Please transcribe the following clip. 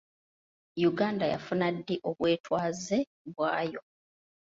Uganda yafuna ddi obwetwaze bwayo?